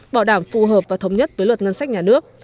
bảo đảm phù hợp và thống nhất với luật ngân sách nhà nước